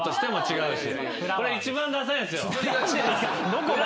どこが？